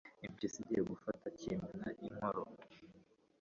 impyisi igiye gufata kiyimena inkoro